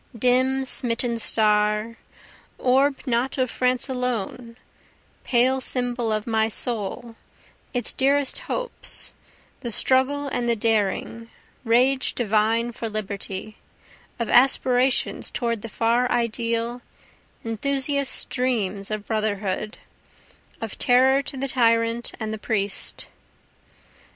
Dim smitten star, Orb not of France alone, pale symbol of my soul, its dearest hopes, The struggle and the daring, rage divine for liberty, Of aspirations toward the far ideal, enthusiast's dreams of brotherhood, Of terror to the tyrant and the priest.